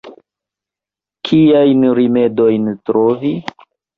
Kiajn rimedojn trovi?